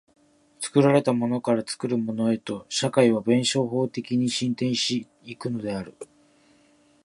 作られたものから作るものへと、社会は弁証法的に進展し行くのである。